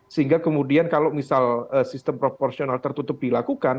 sehingga kemudian kalau misal sistem proporsional tertutup dilakukan